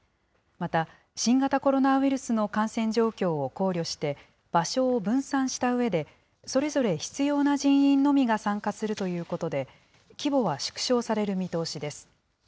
また、新型コロナウイルスの感染状況を考慮して、場所を分散したうえで、それぞれ必要な人員のみが参加するということで、規模は縮小される見通しです。